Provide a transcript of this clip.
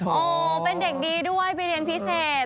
โอ้โหเป็นเด็กดีด้วยไปเรียนพิเศษ